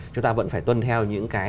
chúng ta vẫn phải tuân theo những cái